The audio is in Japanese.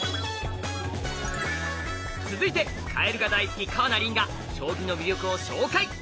続いてカエルが大好き川名凜が将棋の魅力を紹介！